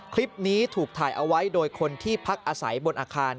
คลิปนี้ถูกถ่ายเอาไว้โดยคนที่พักอาศัยบนอาคาร